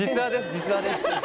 実話です。